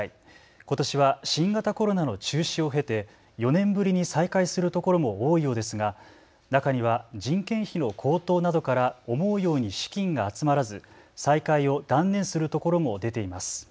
ことしは新型コロナの中止を経て４年ぶりに再開するところも多いようですが中には人件費の高騰などから思うように資金が集まらず再開を断念するところも出ています。